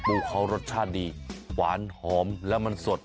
ปูเขารสชาติดีหวานหอมแล้วมันสด